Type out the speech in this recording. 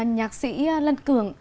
nhạc sĩ lân cường